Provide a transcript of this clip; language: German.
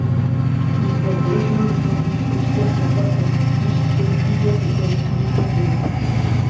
Mit Verbrechen müssen sich Richter befassen, nicht Politiker oder Zivilpersonen.